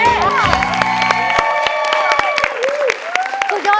ขอบคุณครับ